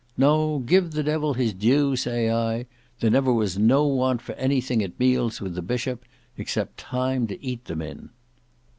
No, give the devil his due, say I. There never was no want for anything at meals with the Bishop, except time to eat them in."